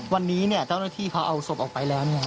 วันนี้เนี่ยเจ้าหน้าที่เขาเอาศพออกไปแล้วเนี่ย